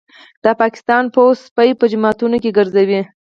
د پاکستان پوځ سپي په جوماتونو کي ګرځوي